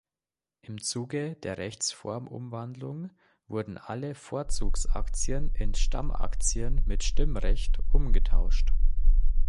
Im Zuge der Rechtsform-Umwandlung wurden alle Vorzugsaktien in Stammaktien mit Stimmrecht umgetauscht.